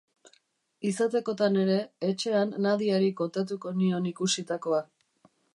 Izatekotan ere, etxean Nadiari kontatuko nion ikusitakoa.